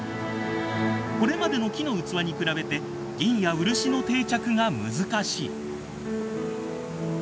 これまでの木の器に比べて銀や漆の定着が難しい。